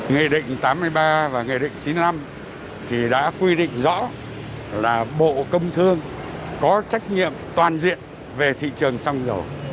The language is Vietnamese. nghị định tám mươi ba và nghị định chín mươi năm thì đã quy định rõ là bộ công thương có trách nhiệm toàn diện về thị trường xăng dầu